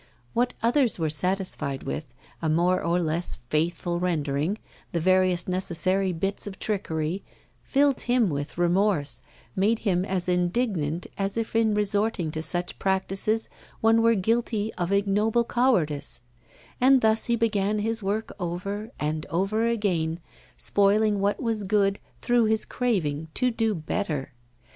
What others were satisfied with, a more or less faithful rendering, the various necessary bits of trickery, filled him with remorse, made him as indignant as if in resorting to such practices one were guilty of ignoble cowardice; and thus he began his work over and over again, spoiling what was good through his craving to do better.